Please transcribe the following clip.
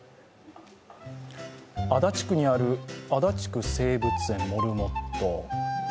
足立区にある足立区生物園のモルモット。